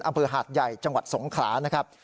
อำเภอหาดใหญ่จังหวัดสงขลานะครับ